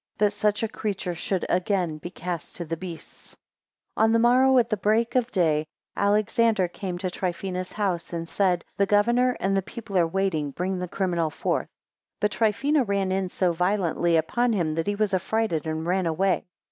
that such a creature should (again) be cast to the beasts! 8 On the morrow, at break of day, Alexander came to Trifina's house, and said: The governor and the people are waiting; bring the criminal forth. 9 But Trifina ran in so violently upon him, that he was affrighted, and ran away.